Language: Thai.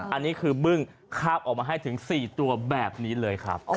อันนี้คือบึ้งคาบออกมาให้ถึง๔ตัวแบบนี้เลยครับ